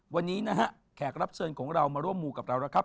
วันนี้นะฮะแขกรับเชิญของเรามาร่วมมูกับเราแล้วครับ